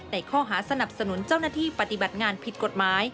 ในข้อหาสนับสนุนเจ้าหน้าที่ปฏิบัติงานผิดกฎหมาย